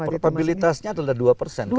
probabilitasnya adalah dua persen